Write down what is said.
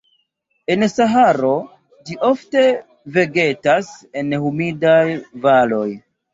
En Saharo, ĝi ofte vegetas en humidaj valoj.